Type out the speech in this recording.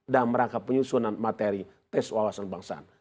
dalam rangka penyusunan materi tes wawasan kebangsaan